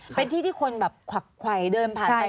เป็นที่ที่คนแบบขวักขวายเดินผ่านไปผ่านมา